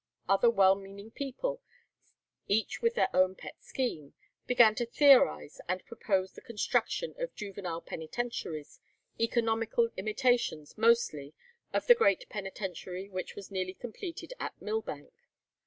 Other well meaning people, each with their own pet scheme, began to theorize and propose the construction of juvenile penitentiaries, economical imitations mostly of the great penitentiary which was nearly completed at Millbank.